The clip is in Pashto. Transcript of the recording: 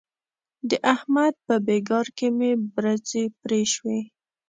د احمد په بېګار کې مې برځې پرې شوې.